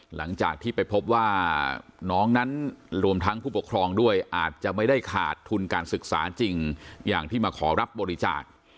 หลังจากที่ไปพบว่าน้องนั้นรวมทั้งผู้ปกครองด้วยอาจจะไม่ได้ขาดทุนการศึกษาจริงอย่างที่มาขอรับบริจาค